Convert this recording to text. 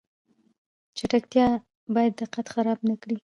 چټکتیا باید دقت خراب نکړي